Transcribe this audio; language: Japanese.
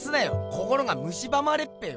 心がムシばまれっペよ。